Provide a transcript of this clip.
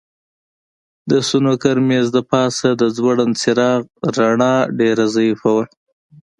د سنوکر مېز د پاسه د ځوړند څراغ رڼا ډېره ضعیفه وه.